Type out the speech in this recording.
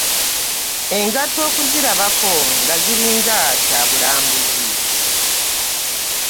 Engatto okuzirabako nga ziringa kyabulambuzi.